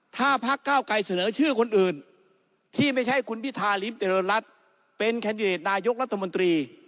ถ้าพักเก้าไกรเสนอชื่อคนอื่นที่ไม่ใช่คุณพิธาริมเจริญรัฐเป็นแคนดิเดตนายกรัฐมนตรี